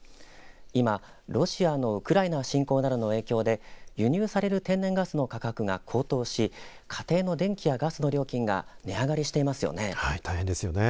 今、ロシアのウクライナ侵攻などの影響で輸入される天然ガスの価格が高騰し家庭の電気やガスの料金が値上がりしていますよね。